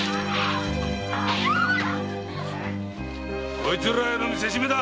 こいつらへの見せしめだ！